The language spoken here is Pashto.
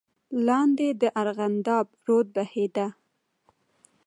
لاندې د ارغنداب رود بهېده.